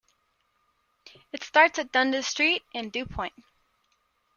It starts at Dundas Street and Dupont.